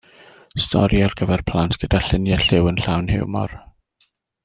Stori ar gyfer plant gyda lluniau lliw yn llawn hiwmor.